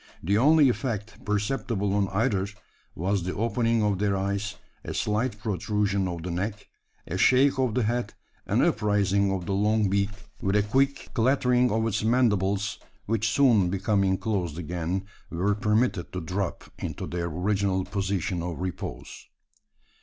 The only effect perceptible on either, was the opening of their eyes, a slight protrusion of the neck, a shake of the head, an upraising of the long beak, with a quick clattering of its mandibles which soon becoming closed again, were permitted to drop into their original position of repose.